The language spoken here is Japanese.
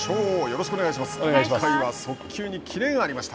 よろしくお願いします。